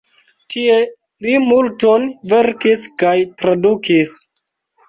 Tie li multon verkis kaj tradukis.